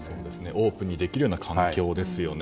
オープンにできるような環境をですよね。